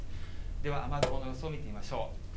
では、雨雲の予想を見てみましょう。